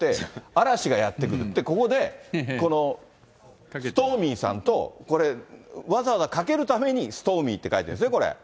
嵐がやって来るって、ここで、ストーミーさんとこれ、わざわざかけるために、ストーミーって書いてるんですね、これ。